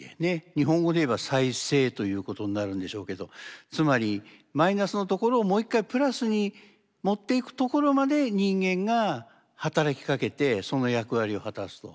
日本語でいえば「再生」ということになるんでしょうけどつまりマイナスのところをもう１回プラスに持っていくところまで人間が働きかけてその役割を果たすという考え方なんでしょうね。